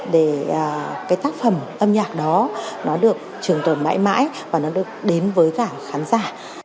để cái tác phẩm âm nhạc đó nó được trường tồn mãi mãi và nó được đến với cả khán giả